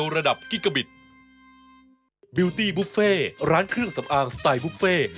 ร้านเครื่องสำอางสไตล์บุฟเฟต์